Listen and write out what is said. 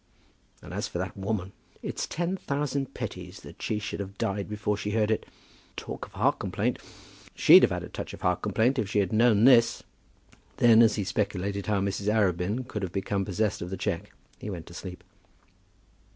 And as for that woman, it's ten thousand pities that she should have died before she heard it. Talk of heart complaint; she'd have had a touch of heart complaint if she had known this!" Then, as he was speculating how Mrs. Arabin could have become possessed of the cheque, he went to sleep.